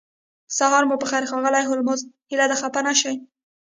سهار مو پخیر ښاغلی هولمز هیله ده خفه نشئ